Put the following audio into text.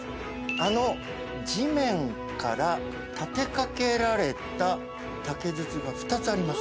あの地面から立てかけられた竹筒が２つあります。